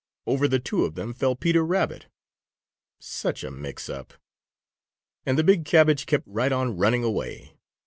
Over the two of them fell Peter Rabbit. Such a mix up! And the big cabbage kept right on running away.